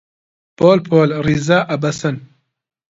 پۆل پۆل ڕیزە ئەبەسن